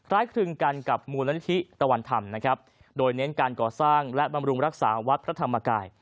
ครึงกันกับมูลนิธิตะวันธรรมนะครับโดยเน้นการก่อสร้างและบำรุงรักษาวัดพระธรรมกาย